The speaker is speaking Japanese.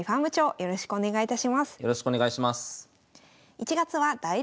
よろしくお願いします。